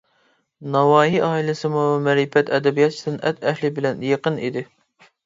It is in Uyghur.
ناۋايى ئائىلىسىمۇ مەرىپەت، ئەدەبىيات-سەنئەت ئەھلى بىلەن يېقىن ئىدى.